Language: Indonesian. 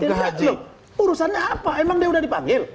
tidak lo urusannya apa emang dia sudah dipanggil